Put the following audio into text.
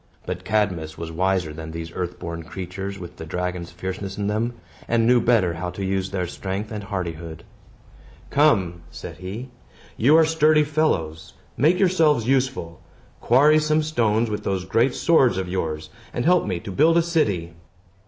But Cadmus was wiser than these earth born creatures, with the dragon's fierceness in them, and knew better how to use their strength and hardihood. "Come!" said he. "You are sturdy fellows. Make yourselves useful! Quarry some stones with those great swords of yours, and help me to build a city."